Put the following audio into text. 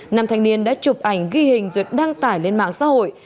nam thanh niên đã chụp ảnh ghi hình duyệt đăng tải lên mạng xã hội